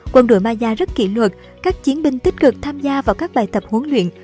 quân đội maya rất kỹ luật các chiến binh tích cực tham gia vào các bài tập huấn luyện